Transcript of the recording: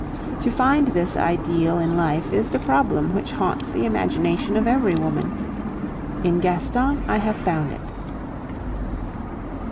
To find this ideal in life is the problem which haunts the imagination of every woman in Gaston I have found it.